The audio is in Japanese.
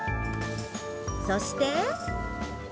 そして。